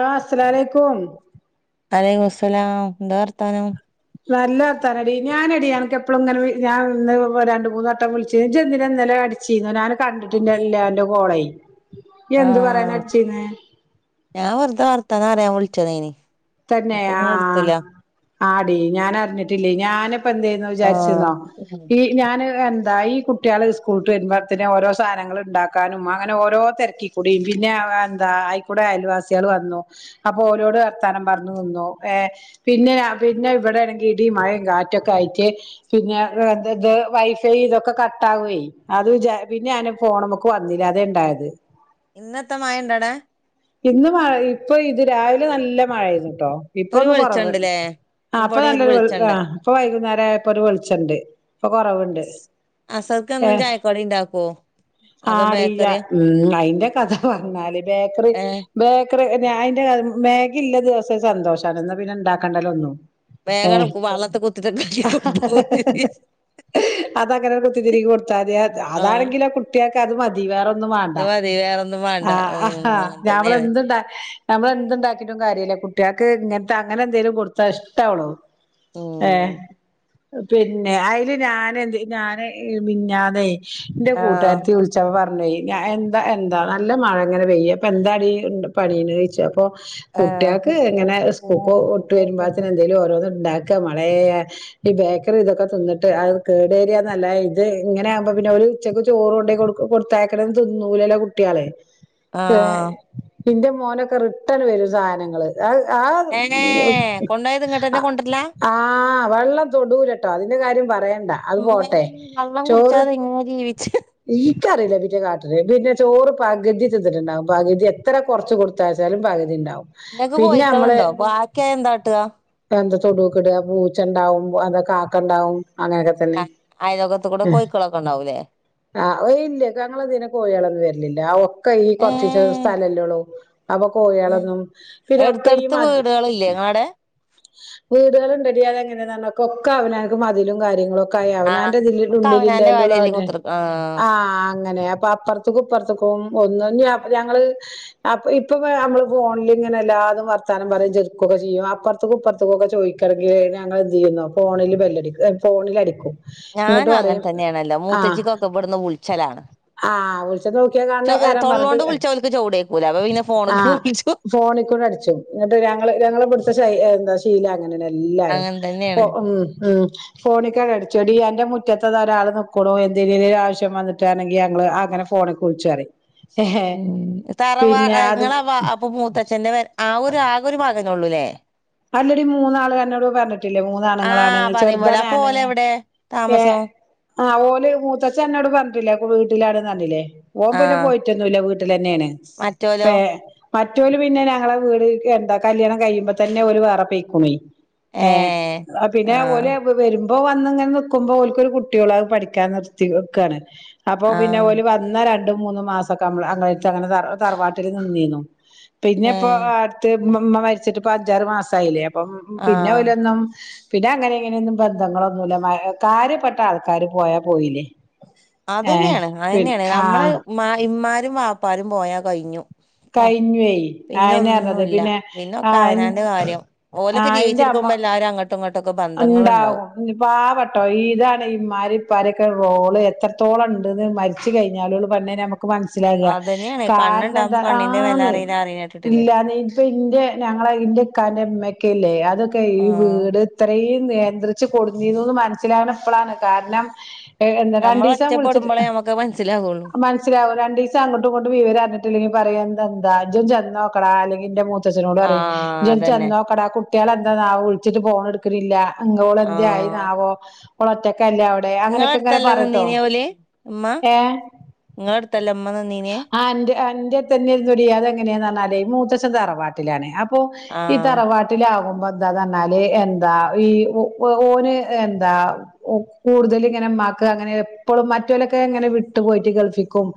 Law അസ്സ്ലാഅലൈക്കും വലൈക്കും മുസ്സലാംഎന്താ വർത്താനം നല്ലർത്താനടി ഞാനടി അൻ- എപ്പോളും ഇങ്ങനെ ഞാൻന്ന് രണ്ട് മൂന്ന് വട്ടം വിളിച്ച് ഇജ്ജ് എന്തിനാ ഇന്നലെ അടിച്ചിന്നു ഞാൻ കണ്ട് ട്ടന്നെല്ലെ അന്റെ കോളേ ഇയ്യ് എന്ത് പറയാനാ ആഹ് അടിച്ചീന്നെ ഞാൻ വെറുതെ വർത്താന അറിയാൻ വിളിച്ചതെയ്ഇനി തന്നെ ആഹ് ആഹ് ആടി ഞാൻ അറിഞ്ഞിട്ടില്ലേ ഞാനിപ്പ എന്ത ന്ന് ആഹ് വിചാരിച്ചിരുന്നോ ഈ ഞാൻ എന്താ ഈ കുട്ടിയാള് സ്കൂളിട്ട് വരുമ്പോഴത്തന് ഓരോ സാധനങ്ങൾ ഇണ്ടാക്കാനും അങ്ങനെ ഓരോ തിരക്കി കുടി പിന്നെ എന്താ ആയിക്കൂടെ അയൽവാസികള് വന്നു അപ്പോ ഓലോട് വർത്തണം പറഞ്ഞു നിന്നു ഏഹ് പിന്നെ പിന്നെ ഇവിടെ ആണെങ്കിൽ ഇടി മഴയും കാറ്റൊക്കെ ആയിട്ട് പിന്നെ ഏ ഇത് വൈഫൈ ഇതൊക്കെ കട്ടാവുവേ അത് ജാ പിന്നെ അന- ഫോണ് മ്മക്ക് വന്നില്ല അതെ ഇണ്ടായത് ഇന്നത്തെ മഴണ്ടാടെ ഇന്ന് മഴ ഇപ്പോ ഇത് രാവിലെ നല്ല മഴ ആയിരുന്നു കേട്ടോ ഇപ്പൊ ഒരു ഇപ്പോന്ന് കൊറവുണ്ട് വെളിച്ചണ്ട്ല്ലേ ആ ഇപ്പം ഇപ്പ ഇവിടെ ഒരു നല്ലൊരു വെൾ ആ വെളിച്ചണ്ട് ഇപ്പ വൈകുന്നേരം ആയപ്പോര് വെളിച്ചണ്ട് ഇപ്പ കുറവുണ്ട് അസർക്ക്‌ എന്നും ചായക്കടി ഇണ്ടാക്കോ അതോ ആടി ജ ബേക്കറിയാ ഉം അയിന്റെ കഥ പറഞ്ഞാല് ബേക്കറി ഏഹ് ബേക്കറി അതിന്റെ മേഗില്ല ദിവസം സന്തോഷാണ് ന്നാപിന്നെ ഉണ്ടാക്കേണ്ടല്ലോ ഒന്നും ഏ വേഗണം വെള്ളത്തി കുത്തി കൊടുത്തോ അതാങ്ങന കുത്തതിരികി കൊടുത്താതി അത് ആഹ് അതാണെങ്കിലാ കു- കുട്ടിയക്ക് അത് മതി വേറെ ഒന്നും വേണ്ട അത് മതി വേറൊന്നും വേണ്ട ആ ആ ഉം അങ്ങനെ ഞമ്മള തന്നെയാണ് എന്ത്‌ നമ്മളെ എന്ത് ഉണ്ടാക്കിയിട്ടും കാര്യയില്ല കുട്ടിയാക്ക് ഇങ്ങനത്തെ അങ്ങനെ എന്തെങ്കിലും കൊടുത്താ ഇഷ്ടാവുള്ളു ഏഹ് ഉം പിന്നെ അയില് ഞാന് എന്ത് ഞാന് മിഞ്ഞാന്നെ ന്റെ ആഹ് കൂട്ടുകാരത്തി വിളി- ച്ചാപ്പാ പർഞ്ഞെ എന്താ എന്താ നല്ല മഴ ഇങ്ങനെ പെയ്യ അപ്പ എന്താടി ന്റ പണീന്ന് ചോയിച്ച അപ്പോ ആഹ് കുട്ടികൾക്ക് ഇങ്ങനെ സ്കൂൾട്ട് വരുമ്പോതിന് എന്തേലും ഓരോന്നും ഉണ്ടാക്ക മളേ ഈ ബേക്കറി ഇതൊക്കെ തിന്നിട്ട് അത് കേടെ ഏരിയന്നല്ല ഇത് ഇങ്ങനൊമ്പോ പിന്നെ ഒരു ഉച്ചക്ക് ചോറ് കൊണ്ടെ കൊടു കൊടുത്താക്കണന്ന് തിന്നൂലല്ല കുട്ടികളെ ഏഹ് ആഹ് ഇന്റെ മോനൊക്കെ റിട്ടേണ് വരും സാനങ്ങള് ആഹ് ആ ഏ കൊണ്ടോയത് ഇങ്ങോട്ടന്നെ ആ കൊണ്ടരലാ ആഹ് വെള്ളം തൊടൂലട്ടൊ അതിന്റെ കാര്യം പറയണ്ട അത് ഉമ്മേ പോട്ടെ വെള്ളം ചോറ് [unintelligible] ഈക്കറിയില്ല ഇവിര് കാട്ടില് ഇത് പിന്നെ ചോറ് പകുതി തിന്നിട്ടുണ്ടാവും പകുതി എത്ര കൊറച്ച് കൊടു- ത്താച്ചാലും പകുതി ഇണ്ടാവും നിങ്ങക്ക് കോയിക്കളുണ്ടോ ബാക്കിയാ എന്താട്ടുക എന്താ തൊടുക്കെ ഇടുക പൂച്ചണ്ടാവും അതാ കാക്ക ഇണ്ടാവും അങ്ങനെയൊ ആഹ് ആയലാക്കാത്തുകൂടെ കോയിക്കളൊക്കെ ഉണ്ടാവൂലെ ആഹ് കോയിഇല്ല കങ്ങളിതിനെ കോയികളൊന്ന് വരിലില്ല ആ ഒക്കെ ഈ ഏ കൊറച്ച്ച്ചു സ്ഥലല്ലേ ഒള്ളൂ അപ കോയെളൊന്നും പിന്നൊക്കെ ഈ മജ് ക്കള്ല്ലെ ങ്ങളാടെ? വീടള്ണ്ടടിയതങ്ങനെന്നർഞ്ഞാ കൊക്ക അവനാക്ക് മതിലും കാര്യങ്ങളു ആ ഒക്കെ അവനാന്റെ ക്കയഅവനാന്റെതിള്ളിലുള്ളിലില്ലേലൊ കാര്യല്ലേ ളവനെ കുത്തിർ ആ അങ്ങനെ അപ്പ അപ്പർ തുക്കും പ്പർത്തക്കും ഒന്നും ഞ ഞങ്ങള് അപ്പ ഇപ്പിപ്പനമ്മള് ഫോൺലിങ്ങനെല്ലാതും വർത്താനം പറയെം ചിറിക്കൊക്ക ചെയ്യും ആപ്പം ത്തുക്കും പ്പർത്തക്കുക്കെ ചോയ്ക്കണെങ്കില് ഞങ്ങള് ന്തെയ്യുന്നോ ഫോണില് ബെല്ലടിക്കു എ ഫോണിലടിക്കു ഞാനു അങ്ങൻ തന്നെയാണല്ലോ മൂത്തെച്ചിക്കൊക്കെ വ്ടന്ന് വുൾച്ചലാണ് ആഹ് വിളിച്ച നോക്കിയാ ചൊ ഒ കാണണേക്കാരം തൊള്ളോണ്ട് പറഞ്ഞിട്ട് വിൾച്ചാ ഓൽക്ക് ചോടേക്കൂല അപ്പൊ പിന്നെ ഫോണ്ക്ക് വിളിച്ചു ഫോണിക്കൂടടിച്ചു ന്നിട്ട് ഞങ്ങള് ഞങ്ങളെ പിടിച്ച് ശൈ എന്താ ശീല ങ്ങനെനെല്ലാരും അങ്ങനെ തന്നെയാണ് ഫൊ ഉം ഉം ഫോണിക്കടെടിച്ചെടി എന്റെ മുറ്റത്തതതൊരാള് നിക്കുണു എന്തെരുരു ആവശ്യം വന്ന്ട്ടാണെങ്കില് അങ്ങള് ആങ്ങന ഫോണിക്കുൾച്ചറി ഉം തറവാ അ അത് ങ്ങള വാ അപ്പൊ മൂത്തച്ഛന്റെറെ വെ ആ ഒരു ആകൊരു മകനോള്ളൂല്ലേ? അല്ലെടി മൂന്നാള് അന്നോട് പറഞ്ഞിട്ടില്ലേ മൂന്നാണുങ്ങളാണ്ന്ന് ചെർതാ ഞാന് ന്ന് താമസോ? ആഹ് ഓല് മൂത്തച്ഛൻ ന്നോട് പർഞ്ഞിട്ടില്ലേ കുവീട്ടിലാണെന്ന ർഞ്ഞിലെ ഓം ആ പിന്ന പോയ് റ്റൊന്നുല്ല വീട്ടിലെന്നെയാണ് മറ്റോലോ പ്പേ മറ്റോല് പിന്നെ നങ്ങളെ വീട് ക് എന്താ കല്യാണം കഴിയുമ്പ തന്നെ ഓല വേറ പെയ്ക്കുമേ ഏ ഏഹ് അ ആ പിന്നെ ഓലെ വ് വെരും പ്പോ വന്ന്ങ്ങൻ നിക്കുമ്പോൽക്കൊരു കുട്ട്യെള്ളു അഅ് പഠിക്കാൻ നിർത്തിക്കാണ് അപ്പൊ ആ പിന്നെ ഓല് പർ ന്ന രണ്ടും മൂന്നും മാസൊക്ക മ്മള് അങ്ങളെര്തങ്ങന തറ തറവാട്ടില് നിന്നീന്നു ഏ പിന്നപ്പോ അ അടുത്ത് മ്മമ്മ മരിച്ചിട്ട് പ്പ ഞ്ചാറ് മാസയില്ലേ അപ്പം ആ പിന്നോലൊന്നും പിന്ന അങ്ങനെ ങ്ങനെയൊന്നും ബന്ധങ്ങളൊന്നുല്ല മ അ കാര്യപ്പെട്ടാൾക്കാര് പോയാ പോയിലെ അതെന്നെയാണ് അയെന്നാണ് നമ്മളെ ആഹ് മ ഇമ്മാരും വാപ്പാരും പോയാ കയിഞ്ഞു ക്കാ കഴിഞ്ഞുവേ അയന്നെ പറഞ്ഞത് പിന്നൊന്നുല്ല പിന്നെ പിന്നൊക്ക ആഹ് വനാന്റെ കാര്യം ഓലൊക്ക ജീവിച്ചിരിക്കുമ്പോ എല്ലാരു അങ്ങട് ട്ടുങ്ങോട്ടൊക്ക ബ അണ്ടാകും ഞ്ഞി പാവട്ടോ ഇതാണിമ്മാരെപ്പാരെക്കെ റോള് എത്രത്തോളണ്ട്ന്ന് മര് ച്ച് കയ്ഞ്ഞാലോള്ളു [unintelligible] ക്ക് മൻസലാക അതന്നെയാണ് കാരണം ന്ത കണ്ണുണ്ടാവുമ്പോ കണ്ണിന്റെ വില ആന്ന് അറിയില്ല പറയണ കേട്ടിട്ടില്ലേ ല്ലാന്നെ പ്പി ന്റെ ഞങ്ങളെ ഇന്റെക്കാന്റെ മ്മെക്കെല്ലെ അതൊക്കെ ഈ ആ വീട് ത്രേയും നിയന്ത്രിച്ച് കൊടുഞ്ഞിരുന്നുന്ന് മനസ്സിലാവുന് ഏാ ന്ന നമ്മള് രണ്ടീസം വിളിച്ചിട്ട് ഒറ്റപ്പെടുമ്പോളേ നമ്മക്ക് മനസ്സിലാവുള്ളൂ അ അമന ച്ചില രണ്ടീസം അങ്ങോട്ടു ങ്ങോട്ടും വിവരർ ഞ്ഞിട്ടില്ലെങ്കിൽ പറയു തെന്താ ജ്ജൊന്ന് ചെന്നോക്കെടാ അല്ലെങ്കി ന്റെ മു ആ ത്തച്ഛനോടറയും ജൊന്ന് അതന്നെ ചെന്നോക്കട കുട്ട്യേളെന്തനാ വിൾച്ചിട്ട് ഫോണെട്ത്ത് ക്ക്ന്നില്ല അങ്ങോളെന്തെ ആ അയിനാവോ ഓളൊറ്റക്കല്ലെ അവ് നിങ്ങള ടെയാങ്ങനെയൊക്കെ ങ്ങനെ അടുത്തല്ലേ പറയുട്ടോ നിന്നീനെ ഏഹ് ങ്ങളട്തല്ലെമ്മ നിന്നി ആന്റെ അന്റെര്തന്നെ രുന്നൊടി അതെങ്ങനെയാന്നർഞ്ഞാല് മൂത്തശ്ശൻ തറവാ ട്ടിലാണ് അപോ ഈ ആഹ് തറവാ ട്ട്ലാകുമ്പൊന്താന്നർ ന്നാല് എന്താ ഈ ഒ ഓന് എന്താ ഒ കൂടുതല്ങ്ങനമ്മാക്ക് അങ്ങനെ എപ്പളും മറ്റൊലൊക്കെ ങ്ങനെ വ്‌ട്ട് പോയ്‌റ്റ് ഗൾഫിക്കും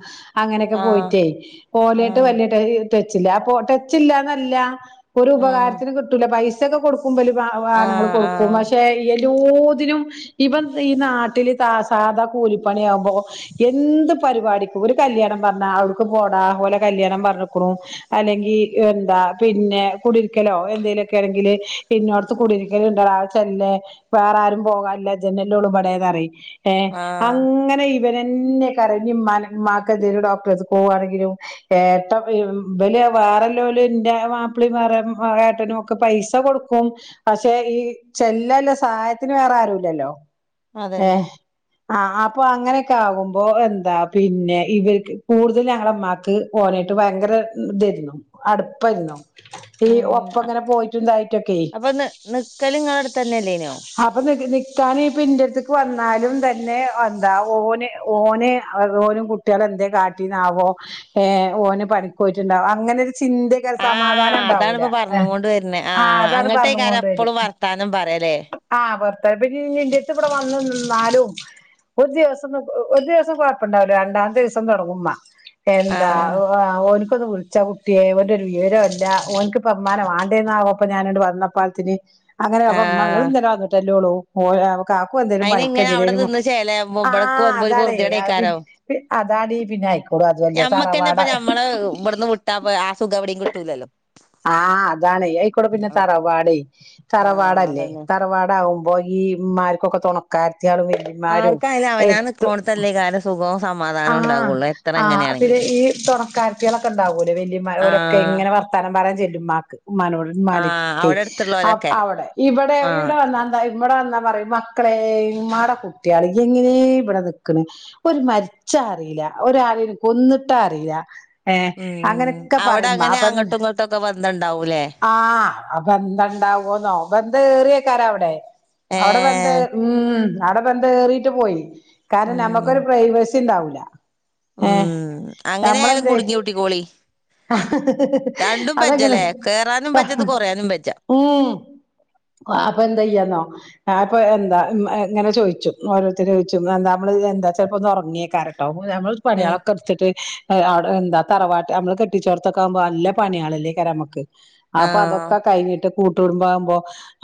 അങ്ങനെയൊക്കെ ആഹ് പോയിറ്റേ ഓലയിട്ട് ആഹ് വല്യ ട ടച്ചില്ല അപ്പോ ടച്ചില്ലാന്നല്ല ആഹ് ഒരുപകാരത്തിന് കിട്ടൂല പൈസൊക്ക കൊടുക്കുമ്പല് വ വ ആണുങ്ങൾ ആഹ് കൊടുക്കും ആഹ് പക്ഷേ ഇ എല്ലോതിനും ഇപം ഈ നാട്ടില് താ സാദാ കൂലിപ്പണിയാമ്പോ എന്ത് പരിപാടിക്കും ഒരു കല്യാണം പറഞ്ഞാ അവിടുക്ക് പോടാ ഓല കല്യാണം പറഞ്ഞുക്കുണു അല്ലെങ്കി എന്താ പിന്നെ കുടിരിക്കലോ എന്തേലൊക്കെ ആണെങ്കില് ഇന്നോട്‌ത്ത് കുടിരിക്കല്ണ്ടെടാ തല്ലേ വേറാരും പോകാല്ല ജനല്ലു ളുപടയതറി ഏ ആഹ് അങ്ങനെ ഇവനെന്നെ കരഞ്ഞും മ്മാനെ മ്മാക്കെന്തേലു ഡോക്ടറ്ട് ത്ത് പോവാണെങ്കിലും ഏട്ട വല് വേറെല്ലോലും ന്റെ മാപ്പിളി വേറെ ഏട്ടനും ക്കെ പൈസ കൊട്ക്കും പശേ ഈ ചെല്ലാല്ല സഹായത്തിന് വേറെ ആരുല്ലല്ലോ. അതന്നെ ഏഹ് ആഹ് അപ്പൊ അങ്ങനെയൊക്കെ ആകുമ്പോ എന്താ പിന്നെ ഇവര്ക്ക് കൂടുതല് ഞങ്ങളമ്മാ ക്ക് ഓനായിട്ട് ഭയങ്കര ഇതാര്ന്നു അടുപ്പാര്ന്നു. ഈ ഉം ഒപ്പം അ- ങ്ങനെ പോയിറ്റും ണ്ടായിട്ടൊക്കെ അപ്പൊ നി നിക്കല് ങ്ങളട്ത്തന്നെല്ലേനോ? അപ്പൊ നിക്കാന് പ്പ ന്റട്ത്ത്ക്ക് വന്നാലും തന്നെ എന്താ ഓന് ഓന് ഓനും കു ട്ട്യാള് എന്തേ കാട്ടിനാവോ ഏ ഓന് പണിക്കോയിട്ട്ണ്ടാവോ അങ്ങനൊരു ചിന്ത. ആഹ് സമാധാനം ഇണ്ടാവൂല. അതാണിപ്പ പറഞ്ഞ് കൊണ്ട് ആഹ് അതാണ് പർഞ്ഞ് കൊണ്ട് വര്ന്ന. ത്താനം പറ ല്ലേ? ആഹ് [unintelligible] പിന്നെ ഇന്റെ ട്ത്ത് ഇവടെ വന്ന് നിന്നാലും. ഒരു ദിവസം നിക് ഒരു ദിവസം കൊഴപ്പണ്ടാവുല്ല. രണ്ടാമത്തേസം തൊട്ങ്ങുമ്മ. എന്താ ആഹ് ഓ ഓന്. ഒന്ന് വിൾച്ചാ കുട്ട്യേ ഓന്റെരു വിവരോല്ല. ഓന്ക്ക് പ്പ മ്മാനെ വാണ്ടേന്നാ ആവോ ഞാന് വന്നപ്പാൾത്തിന്. അങ്ങനെ അപ്പ മ്മ ങ്ങള് ആഹ് ഇന്നല വന്നിട്ടല്ലോ ഒള്ളൂ. കാക്കു എന്തേലും അയിന് ഇങ്ങനെ അവിടെ പണിക്കന്തേലും നിന്ന് ചേലാവുമ്പോ ഇബടക്ക് ആഹ് വരുമ്പോ ഒരു അതാണേ അത് പി പൊറുതിയേടേക്കാരം പി അതാടി [unintelligible] ഞമ്മക്കെന്നെ ഇപ്പ തറവാടാ മ്മളെ ഇബട്ന്ന് വിട്ടാ പ്പം ആ സുഖം എവിടിം കിട്ടൂലല്ലോ. ആഹ് അതാണ് അയിക്കൂടെ പിന്നെ ആഹ് തറവാട് ആഹ് തറവാടല്ലേ അതന്നെ ത തറവാടാകുമ്പോ ഈ മ്മാർക്കൊക്കെ തൊണക്കാര്ത്തിയാള് വല്ലിമാരും ആർക്കായാലും അവനാ എര് ത്ത്. നിക്കോണത്തല്ലേ കാരം സുഖവും സമാധാനവും ആഹ് ഉണ്ടാവുള്ളൂ എത്ര ആ പിന്നെ എങ്ങനെയാണെങ്കിലും ഈ തൊണക്കാര്ത്തിയളോ ക്കെണ്ടാവല്ലോ വല്ല്യമ്മ ഓലാക്കെ ആഹ് ങ്ങനെ വർത്താനം പറയാൻ ചെല്ലും മ്മാക്ക് മ്മാനോട്. ആഹ് ഇമ്മാന്റെട്ത്ത്ക്കെ അവിടെ അ അടുത്തുള്ളോലൊക്കെ അവടെ ഇവടെ ആഹ് ഇവടെ വന്നാന്താ. ഇബട വന്നാ പറയും മക്കളെ ഇമ്മാടെ കുട്ട്യാള് എങ്ങനെ ഇബടെ നിക്ക്ണ് ഒരു മര് ച്ചാ അറീല്ല ഒരാലേലും കൊന്ന്ട്ടാ അറീല്ല. ഏഹ് ഉം അങ്ങനൊക്കെ അവിടെ പറിമ്മാ അങ്ങനെ അപ്പം അങ്ങോട്ടും ഇങ്ങോട്ടുംക്കെ ബന്ധണ്ടാവൂലേ ആ അ ബന്ധണ്ടാവോന്നോ ബന്ധ ഏറിയയ്ക്കാരം അവടെ അവടെ ബന്ധം ഏ ഏഹ് ഉം അവടെ ബന്ധം ഏറിട്ടു പോയി. കാര്ണം ഉം നമ്മക്കൊരു പ്രൈവസി ഇണ്ടാവൂല. ഉം അങ്ങനെ ആയാലും കുടുങ്ങി കൂട്ടിക്കോളി. രണ്ടും അതങ്ങനെ പജ്ജല്ലേ കേറാനും പജ്ജത് കൊറയാനും പജ്ജ ഉം അപ്പ എന്തെയ്യന്നോ? ആ ഇപ്പൊ എന്താ ഇങ്ങനെ ചോയ്ച്ചും ഓരോരുത്തരോയ്ച്ചും എന്താ മ്മള് എന്താ ചെൽപ്പൊന്ന് ഒർങ്ങേക്കാര ട്ടോ നമ്മൾ ഉം പണിയളക്ക്ട്ത്ത്ട്ട് എന്താ തറവാട്ട് നമ്മള് കെ ട്ടിച്ചോട്ത്തൊക്ക ആമ്പോ നല്ല പണിയാളല്ലേക്കാരം അമ്മക്ക് അപ്പൊ ആഹ് അതൊക്കെ കൈഞ്ഞിട്ട് കൂട്ടു കുടുംബാമ്പോ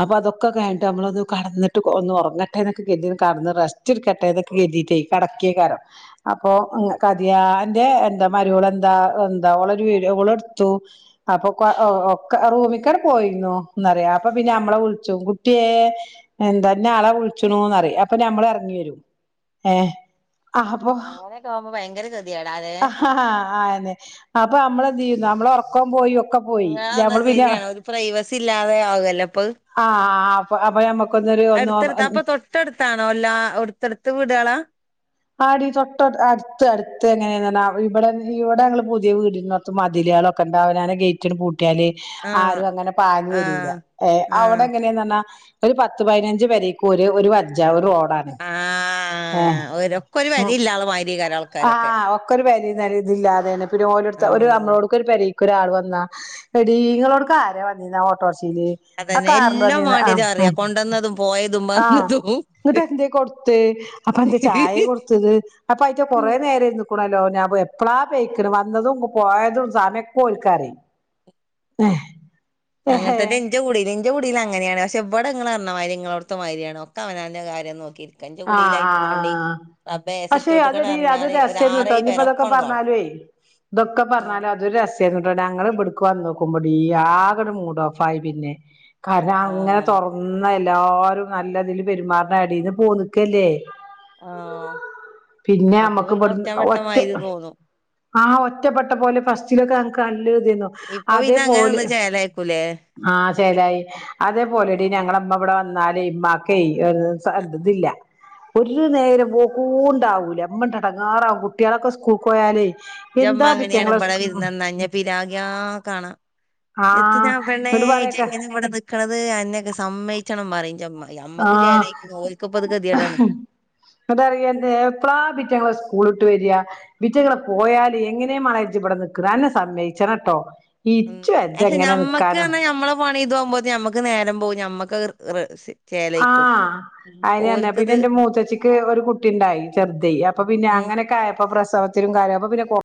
അപ്പൊ അതൊക്കെ കയ്ൻട്ട് നമ്മളത് കട്ന്നിട്ട് ഒന്ന് ഒർങ്ങട്ടെന്നൊക്കെ കര്തി കട്ന്ന് റെസ് റ്റ്ട്ക്കെട്ടേന്നെക്കെ കെര്തീട്ടേ കട്ക്കെയ്ക്കാരം. അപ്പൊ കതിയാന്റെ എന്താ മരോളെന്താ എന്താ ഓളെ രു വി ഓളെട്ത്തു. അപ്പൊ ക്കെ ഒക്ക റൂമിക്കാട് പോയിന്നു ന്നറിം. അപ്പൊ പിന്നെ അമ്മളെ വിൾച്ചും കുട്ട്യേ എന്ത ന്ന ആളാ വുൾച്ചുണൂന്നറിം. അപ്പൊ നമ്മള് എർങ്ങി വരും ഏ ആഹ് അപ്പൊ അങ്ങനെയൊക്കെ ആവുമ്പോ ഭയങ്കര ഗതികേടാല്ലേ ആതെന്നെ. അപ്പൊ നമ്മളെന്തെയ്യുന്നോ അമ്മള് ഒർ ക്കം പോയി ഒക്കെ പോയി നിങ്ങളന്നാ ഞമ്മള് പിന്നെ. ശരിയാണ് ഒരു പ്രൈവസി ഇല്ലാതെ ആകല്ലേപ്പത് ആഹ് അപ്പ അപ്പൊ ഞമ്മ അട്ത്തട്ത്ത് അപ്പൊ തൊട്ടട്ത്താണോ എല്ലാ ഒട്ത്തെട്ത്ത് വീടാളാ? ആടി തൊട്ട അട്ത്ത് അട്ത്ത് ങ്ങനെ ന്നർഞ്ഞ ഇബടെ ഇവടെ ങ്ങള് പുതിയ വീടിര്ന്നോ ത്ത് മതിലേളൊക്കെണ്ട് അവനാന്നെ ഗെയ്റ്റാണ്ട് പൂട്ടിയാല്. ആഹ് ആരും അങ്ങനെ പാഞ്ഞ് വരൂല. ആഹ് ഏ അവ്ടെ ആഹ് എങ്ങനേന്നർഞ്ഞാ. ഒര് പത്ത് പയ്നഞ്ച് പെരേക്കു ഒരേ ഒര്‌വജ്ജാ ഒര് റോഡാണ് ഏ ആഹ് ഒരൊക്കൊരു വരില്ലാതെ മാരി അയ്ക്കാരം ആൾക്കാരൊക്കെ അവക്കൊര് വെലേം നെലേം ഇതില്ലാതെന്നെ പിന്നെ ഓലട്ത്ത് ഒര് ആഹ് അമ്മട്ക്കൊര്പെരയ് കോരാള് വന്ന എടീ ങ്ങളോട്ക്കാര വന്നിന്നെ ഓട്ടോറിഷയില് ആഹ് അതന്നെ കാറില് എല്ലാം വന്നിന ആഹ് മാണ്ടിയരും അറിയാ ഉം കൊണ്ടന്നതും പോയതും ആഹ് വന്നതും എന്നിട്ട്ന്തെ കൊടുത്തേ അപ്പൊന്ത ചായ കൊടുത്തത് അപ്പൊ അയിറ്റ കൊറേ നേരം ഇരുന്ന്ക്ക്ണല്ലോ ഞാപോയെപ്പളാ പേയ്ക്ക്ണ്‌ വന്നതും ങ്ങ് പോയതും സമയൊക്കെ ഓൽക്കറിം ഏഹ് അങ്ങൻത്തന്നെ ന്റെ കുടീ നിന്റെ കുടീല് അങ്ങനെയാണ് പഷെവിടെ ങ്ങള്ർന്നമാതിരി നിങ്ങളടുത്തമാരിയാണ് ഒക്കെ അവനന്റെ കാര്യം നോക്കി ഇര് ആഹ് ആഹ് ആഹ് പഷെ സിറ്റോട്ട്ക്കാണ്ട് അതെടി എറങ്ങിയാല് അതൊരസ്സാര്ന്ന്ട്ടോ ഒരാറേഴ് ഇനിപ്പൊതൊക്കെ പെരൊക്കാണ്ട് കാണും പറഞ്ഞാല്‌വേ ദൊക്കെ പറഞ്ഞാലുതൊര് രസ്സാരുന്ന്ട്ടോ ഞങ്ങള്വ്ട്ന്ന് ക്ക്വാന്ന് നോക്കുമ്പോടീ ആകട് മൂടോഓഫായി പിന്നെ കാരണങ്ങനെ ആഹ് തൊറക്കു ഒന്ന്ല്ലാരും നല്ലതില് പെരുമാറുന്നെടേന്ന് പോന്ന്ക്കല്ലേ ആഹ് പിന്നെ അപ്പൊ പിന്നെ അമ്മക്ക്വ്ട്ന്ന് ഹ്ഒറ്റ ഒറ്റപ്പെട്ടമാതിരി ഉം തോന്നും ആഹ് ഒറ്റപ്പെട്ട പോലെ ഫസ്റ്റിലൊക്കെ ൻക്ക് അല്ലത്നു ഇപ്പൊ പിന്നെ അങ്ങനെ അതേപോലെ നിന്ന് ചേലായിക്കൂലേ ഉം ആഹ് ചേലായ് അതേപോലെടി ഉം ഞങ്ങളെ ഇമ്മവ്ടെ വന്നാലെ ഇമ്മാക്കെ ഉം. ഒര്സദ്തില്ല ഒര്നേരമ്പോക്കൂണ്ടാവ്‌ല്ല മ്മടണ്ടടങ്ങാറാവും കുട്ടികളൊക്കെ സ്കൂൾക്ക് പോയാലേ ന്റമ്മ എന്താ അങ്ങനെയാണ് പിറ്റങ്ങളെ ബ്ടെ സ്കൂ വിരുനന്നയ്ഞ്ഞാ പിരാഗിയാ കാണാം ആ എത്തിനാ പെണ്ണേ ഇങ്ങട്ട് പറയൊക്കെ ചെങ്കന്വ്ടെ നിക് ക്കണത് അന്നെക്കെ സമ്മയ്ച്ചണം പറയ്യ്‌ന്റമ്മ ആ യമ്മക്ക് ചേലായ്ക്കണ് ഓൽക്ക്പ്പത് ഗതിയെടാണ് അതറിയന്നെ എപ്ലാ പിറ്റങ്ങള് സ്കൂള്ട്ട് വരിയ വ്റ്റ്കള് പോയാല് ങ്ങനെയാ മാളേജ്ജ്വ്ടെ നിക്കണ് അന്നെ സമ്മയിച്ചണോട്ടോ ഇച്ച് ജ്ജ്ങ്ങനെ നിക്കാനോ പണിതാമ്പോ ഇത് ഞമ്മക്ക് നേരം പോവും ഞമ്മക്ക് ഹ് ഹ് റെസി ആഹ് അയ്നെന്നെ പിന്നെ ന്റെ മൂത്തച്ചിക്ക് ഒര് കുട്ടിണ്ടായ് ചെർത് അപ്പൊ പിന്നെ ഉം. അങ്ങനൊക്കെയായപ്പോ പ്രസവത് തീൻകാര പ്പംപിന്നെ കൊർ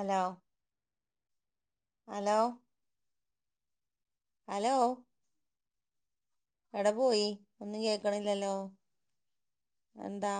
അലോ അലോ ഹലോ ഏടെ പോയ് ഒന്നും കേക്കണില്ലല്ലോ എന്താ